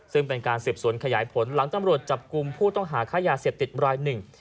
ซึ่งเป็นการสืบสวนขยายผลหลังตำรวจจับกลุ่มผู้ต้องหาค่ายาเสพติดรายหนึ่ง